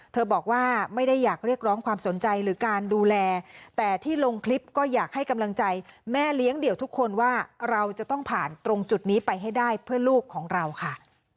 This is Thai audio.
บอกว่าไม่ได้อยากเรียกร้องความสนใจหรือการดูแลแต่ที่ลงคลิปก็อยากให้กำลังใจแม่เลี้ยงเดี่ยวทุกคนว่าเราจะต้องผ่านตรงจุดนี้ไปให้ได้เพื่อลูกของเราค่ะ